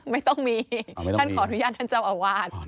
ไม่ต้องมีท่านขออนุญาตท่านเจ้าอาวาส